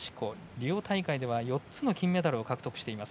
リオ大会では４つの金メダルを獲得しています。